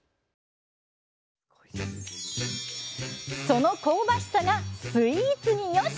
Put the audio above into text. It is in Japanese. その香ばしさがスイーツによしっ！